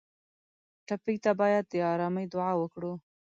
ټپي ته باید د ارامۍ دعا وکړو.